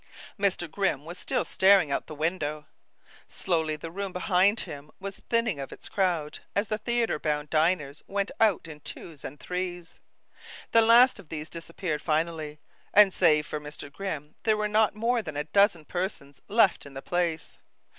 Mr. Grimm was still staring out the window. Slowly the room behind him was thinning of its crowd as the theater bound diners went out in twos and threes. The last of these disappeared finally, and save for Mr. Grimm there were not more than a dozen persons left in the place.